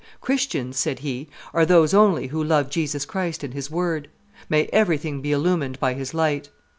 "Christians," said he, "are those only who love Jesus Christ and His word. May everything be illumined with His light!